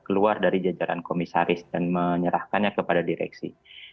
keluar dari jajaran komisaris dan menyerahkannya kepada direksi